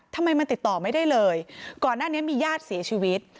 ทำไมมันติดต่อไม่ได้เลยก่อนหน้านี้มีญาติเสียชีวิต